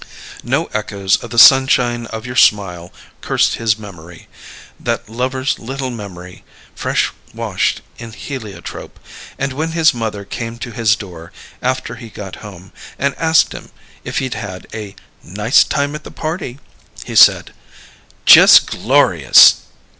No echoes of "The Sunshine of Your Smile" cursed his memory that lover's little memory fresh washed in heliotrope and when his mother came to his door, after he got home, and asked him if he'd had "a nice time at the party," he said: "Just glorious!"